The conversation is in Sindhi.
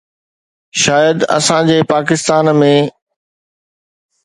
شايد اسان جي پاڪستان ۾